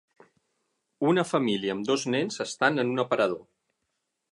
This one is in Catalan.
Una família amb dos nens estan en un aparador.